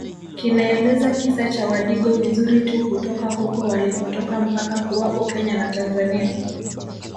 kinaeleza kisa cha wadigo vizuri tu kutoka huko walipotoka mpaka kuwapo Kenya na Tanzania